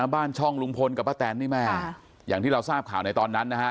บ้านช่องลุงพลกับป้าแตนนี่แม่อย่างที่เราทราบข่าวในตอนนั้นนะฮะ